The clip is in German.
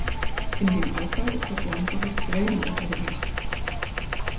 In dem Altbau ist das Landgericht Bremen untergebracht.